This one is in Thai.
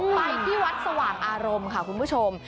ไปที่วัดสว่างอารมณ์ค่ะคุณผู้ชม